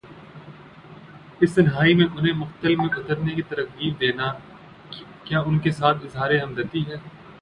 اس تنہائی میں انہیں مقتل میں اترنے کی ترغیب دینا، کیا ان کے ساتھ اظہار ہمدردی ہے؟